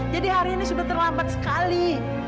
jadi hari ini sudah terlambat sekali